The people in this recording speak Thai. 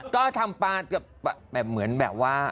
ก็ทำปลากับแบบเหมือนแบบว่า